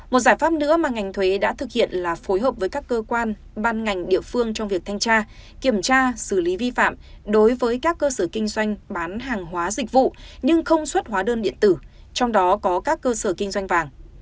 một giải pháp nữa mà ngành thuế đã thực hiện là phối hợp với các cơ quan ban ngành địa phương trong việc thanh tra kiểm tra xử lý vi phạm đối với các cơ sở kinh doanh bán hàng hóa dịch vụ nhưng không xuất hóa đơn điện tử trong đó có các cơ sở kinh doanh vàng